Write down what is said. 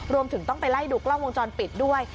รวมถึงต้องไปไล่ดูกล้องวงจรปิดด้วย